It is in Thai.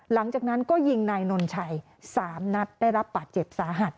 หลังจากนั้นก็ยิงนายนนชัย๓นัดได้รับบาดเจ็บสาหัส